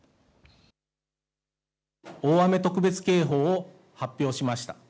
大雨特別警報を発表しました。